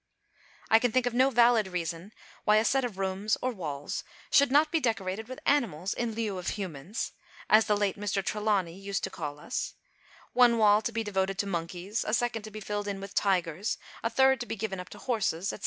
I can think of no valid reason why a set of rooms, or walls, should not be decorated with animals in lieu of "humans," as the late Mr. Trelawney used to call us: one wall to be devoted to monkeys, a second to be filled in with tigers, a third to be given up to horses, etc.